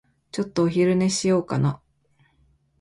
ちょっとお昼寝しようかな。